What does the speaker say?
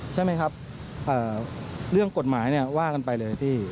ใช่ไหมครับเรื่องกฎหมายเนี่ยว่ากันไปเลยพี่